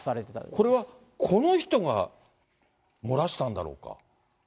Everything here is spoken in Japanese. これはこの人が漏らしたんだろうか？